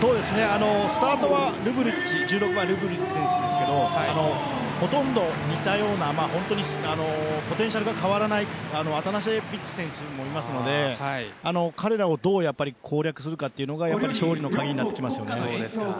スタートは１６番・ルブリッチ選手ですけどほとんど、似たようなポテンシャルが変わらないアタナシエビッチ選手もいるので彼らをどう攻略するかというのが勝利の鍵になってきます。